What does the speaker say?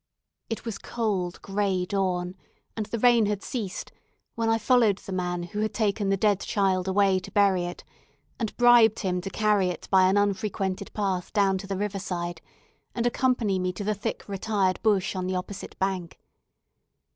It was cold grey dawn, and the rain had ceased, when I followed the man who had taken the dead child away to bury it, and bribed him to carry it by an unfrequented path down to the river side, and accompany me to the thick retired bush on the opposite bank.